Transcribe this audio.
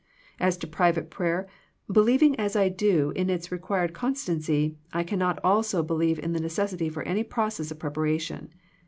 As to private prayer, believing as I do in its required constancy I can not also believe in the necessity for any process of preparation.